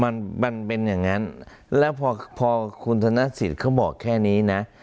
มันมันเป็นอย่างนั้นแล้วพอพอคุณธนสิทธิ์เขาบอกแค่นี้นะ